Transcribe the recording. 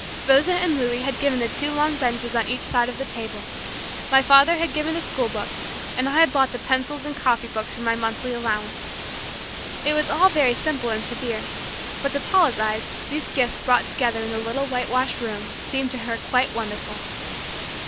Rosa and Louis had given the two long benches on each side of the table. My father had given the school books, and I had bought pencils and copy books from my monthly allowance. It was all very simple and severe, but to Paula's eyes these gifts brought together in the little whitewashed room seemed to her quite wonderful.